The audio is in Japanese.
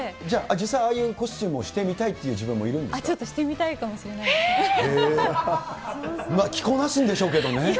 じゃあ、実際ああいうコスチュームをしてみたいっていう自分もいるんですちょっとしてみたいかもしれ着こなすんでしょうけどね。